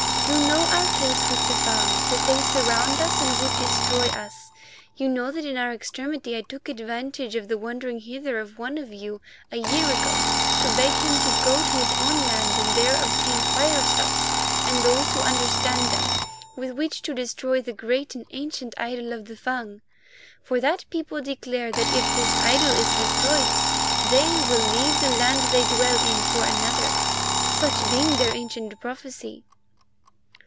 You know our case with the Fung—that they surround us and would destroy us. You know that in our extremity I took advantage of the wandering hither of one of you a year ago to beg him to go to his own land and there obtain firestuffs and those who understand them, with which to destroy the great and ancient idol of the Fung. For that people declare that if this idol is destroyed they will leave the land they dwell in for another, such being their ancient prophecy."